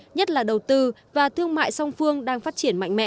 nhất là đầu tư và thương mại song phúc